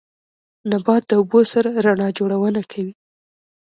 نبات د اوبو سره رڼا جوړونه کوي